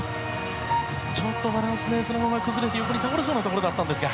ちょっとバランスが悪く横に倒れそうなところだったんですが。